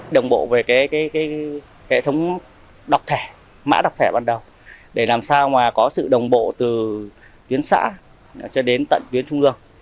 đồng bộ về hệ thống đọc thẻ mã đọc thẻ ban đầu để làm sao mà có sự đồng bộ từ tuyến xã cho đến tận tuyến trung ương